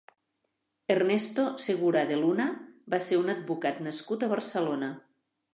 Ernesto Segura de Luna va ser un advocat nascut a Barcelona.